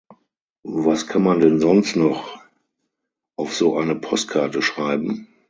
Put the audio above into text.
Was kann man denn sonst noch auf so eine Postkarte schreiben?